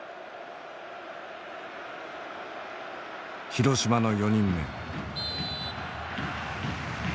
広島の４人目。